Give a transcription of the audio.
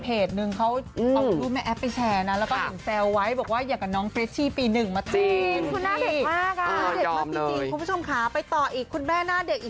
เอารูปแม่แอปไปแชร์นะแล้วก็เห็นแซวว่าอยากกับน้องเฟรชชี่๑ปีมาระเทน